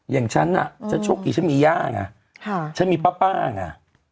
อย่างฉันน่ะฉันโชคดีฉันมีย่าไงฉันมีป้าไง